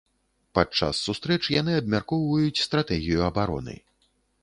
Падчас сустрэч яны абмяркоўваюць стратэгію абароны.